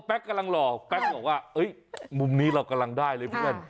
กำลังรอแป๊กบอกว่ามุมนี้เรากำลังได้เลยเพื่อน